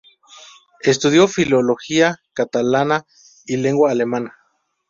Estudió Filología Catalana y Lengua Alemana.